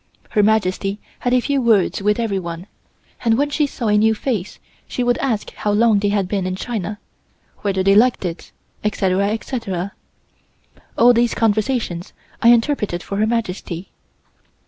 Her Majesty had a few words for everyone, and when she saw a new face she would ask how long they had been in China; whether they liked it, etc., etc. All these conversations I interpreted for Her Majesty.